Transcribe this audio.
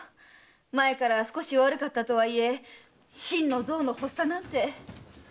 前から少し悪かったとはいえ心の臓の発作なんて。